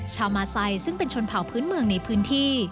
ชาวมาไซซึ่งเป็นชนเผ่าพื้นเมืองในพื้นที่